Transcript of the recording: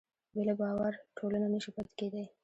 بې له باور ټولنه نهشي پاتې کېدی.